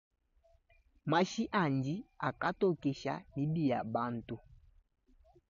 Mashi andi akantokesha mibi ya bantu.